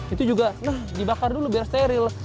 itu juga nah dibakar dulu biar steril